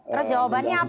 terus jawabannya apa